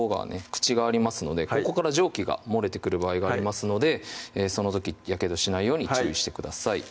口がありますのでここから蒸気が漏れてくる場合がありますのでその時やけどしないように注意してください